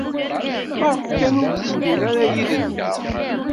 Maɣef kan ur tteddun ara yid-nteɣ?